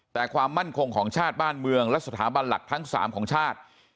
แต่ความมั่นคงของชาติบ้านเมืองและสถาบันหลักทั้ง๓ของชาติ